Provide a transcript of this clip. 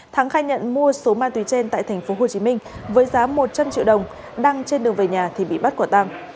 thắng khai nhận mua số ma túy trên tại tp hcm với giá một trăm linh triệu đồng đang trên đường về nhà thì bị bắt quả tăng